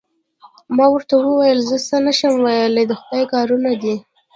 ما ورته وویل: زه څه نه شم ویلای، د خدای کارونه دي.